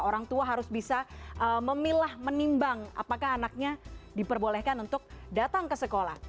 orang tua harus bisa memilah menimbang apakah anaknya diperbolehkan untuk datang ke sekolah